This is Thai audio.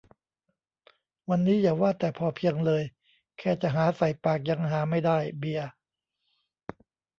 วันนี้อย่าว่าแต่พอเพียงเลย แค่จะหาใส่ปากยังหาไม่ได้ เบียร์